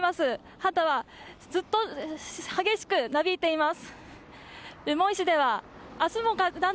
旗はずっと激しくなびいています。